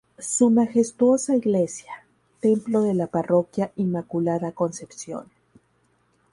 Su majestuosa iglesia, templo de la parroquia Inmaculada Concepción.